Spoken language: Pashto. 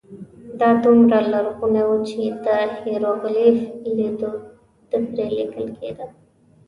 دا دومره لرغونی و چې د هېروغلیف لیکدود پرې لیکل کېده.